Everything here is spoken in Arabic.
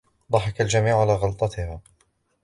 ضحِك الجميع على غلطتها.